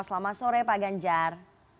selamat sore pak ganjar